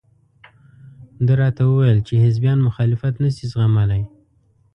ده راته وویل چې حزبیان مخالفت نشي زغملى.